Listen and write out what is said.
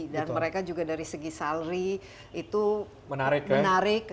dan mereka juga dari segi salary itu menarik